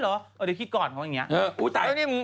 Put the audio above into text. เออเดี๋ยวคิดก่อนเค้าวันเนี่ยอุ้ยตายอันนี้มึงอ้วนอีอ้อด